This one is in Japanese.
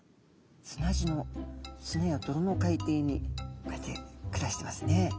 砂地の砂やどろの海底にこうやって暮らしてますね。